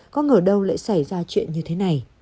có ở đâu lại xảy ra chuyện như thế này